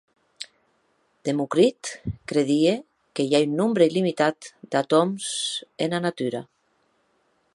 Democrit credie que i a un nombre illimitat d'atòms ena natura.